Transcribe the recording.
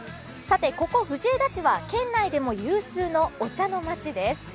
さて、ここ藤枝市は県内でも有数のお茶の街です。